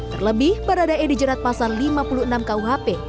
terlebih baradae dijerat pasal lima puluh enam kuhp